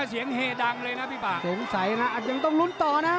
สงสัยนะอาจยังต้องลุ้นต่อนะ